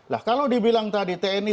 lah kalau dibilang tadi tni